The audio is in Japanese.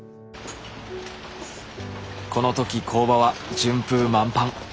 このとき工場は順風満帆。